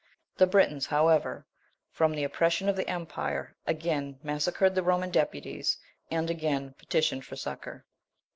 The Britons, however, from the oppression of the empire, again massacred The Roman deputies, and again petitioned for succour.